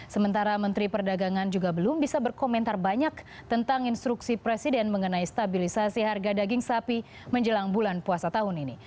sementara menteri perdagangan juga belum bisa berkomentar banyak tentang instruksi presiden mengenai stabilisasi harga daging sapi menjelang bulan puasa tahun ini